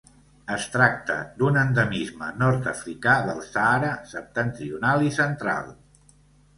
Es tracta d'un endemisme nord-africà del Sàhara septentrional i central.